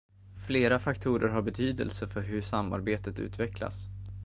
Flera faktorer har betydelse för hur samarbetet utvecklas.